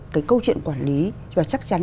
cái câu chuyện quản lý và chắc chắn